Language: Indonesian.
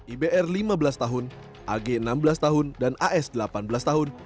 ibr lima belas tahun ag enam belas tahun dan as delapan belas tahun